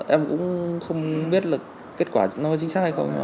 em cũng không biết là kết quả nó chính xác hay không